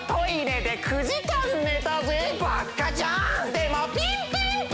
でもピンピンピン